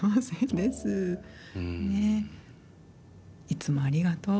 いつもありがとう。